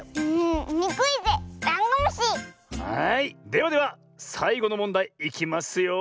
ではではさいごのもんだいいきますよ。